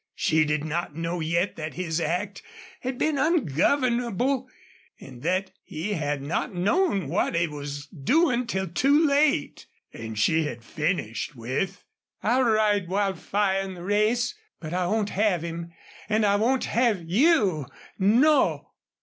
She did not know yet that his act had been ungovernable and that he had not known what he was doing till too late. And she had finished with: "I'll ride Wildfire in the race but I won't have him and I won't have YOU! NO!"